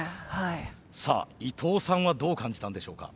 さあ伊藤さんはどう感じたんでしょうか？